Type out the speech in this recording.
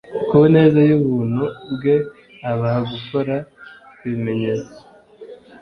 ku neza y'ubuntu bwe abaha gukora ibimenyetso